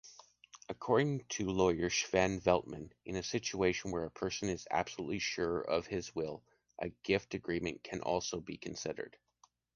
According to lawyer Sven Veltmann, in a situation where a person is absolutely sure of his will, a gift agreement can also be considered.